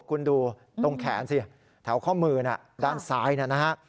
คุณดูตรงแขนสิแถวข้อมือด้านซ้ายนะฮะ